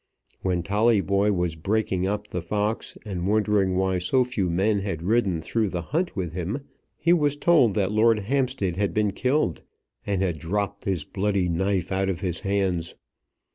When Tolleyboy was breaking up the fox, and wondering why so few men had ridden through the hunt with him, he was told that Lord Hampstead had been killed, and had dropped his bloody knife out of his hands.